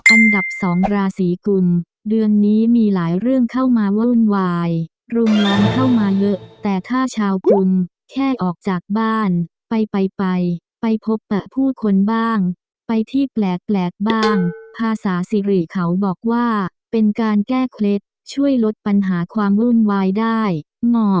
อันดับ๒ราศีกุลเดือนนี้มีหลายเรื่องเข้ามาวุ่นวายรุมล้ำเข้ามาเยอะแต่ถ้าชาวกุลแค่ออกจากบ้านไปไปพบปะผู้คนบ้างไปที่แปลกบ้างภาษาสิริเขาบอกว่าเป็นการแก้เคล็ดช่วยลดปัญหาความวุ่นวายได้งอ